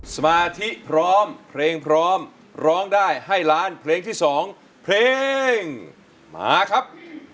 สมาธิพร้อมเพลงพร้อมร้องได้ให้ล้านเพลงที่๒เพลงมาครับ